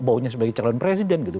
baunya sebagai calon presiden gitu